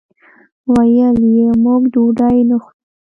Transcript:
ویل یې موږ ډوډۍ نه خورو.